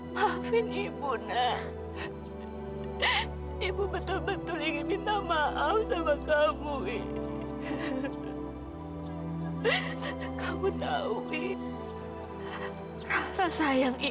sampai jumpa di video selanjutnya